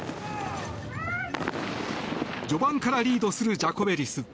序盤からリードするジャコベリス。